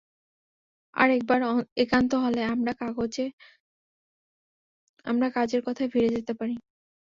আর একবার একান্ত হলে, আমরা কাজের কথায় ফিরে যেতে পারি।